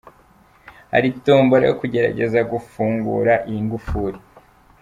Hari tombola yo kugerageza gufungura iyi ngufuri.